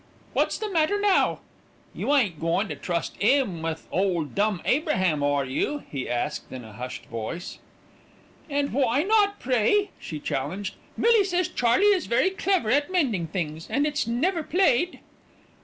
"What's the matter now?" "You ain't goin' to trust 'im with Ole Dumb Abraham, are you?" he asked in a hushed voice. "And why not, pray?" she challenged. "Millie says Charley is very clever at mending things, and it's never played."